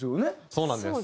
そうなんです。